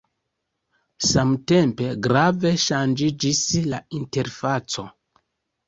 Samtempe grave ŝanĝiĝis la interfaco.